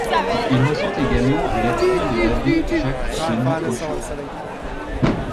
Il reçoit également l’appui de l’abbé Jacques Denis Cochin.